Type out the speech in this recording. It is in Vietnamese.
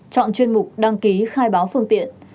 chọn chuyên mục đăng ký khai báo phương tiện